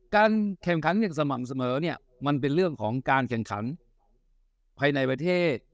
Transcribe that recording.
การแข่งขันอย่างสม่ำเสมอเนี่ยมันเป็นเรื่องของการแข่งขันภายในประเทศ